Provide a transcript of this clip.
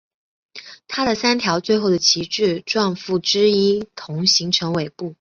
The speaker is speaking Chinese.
它的三条最后的旗帜状附肢一同形成尾部。